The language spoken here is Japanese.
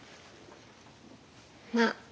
まあ。